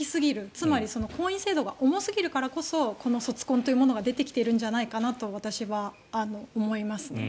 つまり、婚姻制度が重すぎるからこそこの卒婚というものが出てきているんじゃないかと私は思いますね。